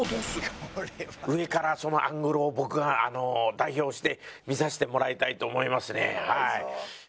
上からそのアングルを僕が代表して見させてもらいたいと思いますねはい。